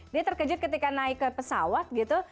dia terkejut ketika naik ke pesawat gitu